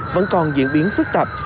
vẫn còn diễn biến phức tạp